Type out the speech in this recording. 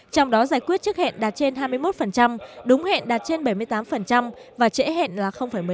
trong đó giải quyết trước hẹn đạt trên hai mươi một đúng hẹn đạt trên bảy mươi tám và trễ hẹn là một mươi tám